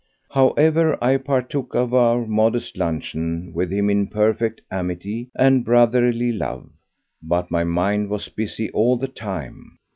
However, I partook of our modest luncheon with him in perfect amity and brotherly love, but my mind was busy all the time.